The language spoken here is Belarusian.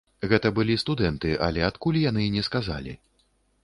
Гэта былі студэнты, але адкуль, яны не сказалі.